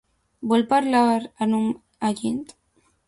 Vol parlar amb un agent?